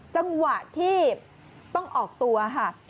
จังหวะที่ต้องออกตัวค่ะ